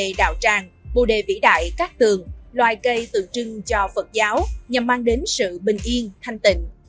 bồ đề đào tràng bồ đề vĩ đại các tường loài cây tự trưng cho phật giáo nhằm mang đến sự bình yên thanh tịnh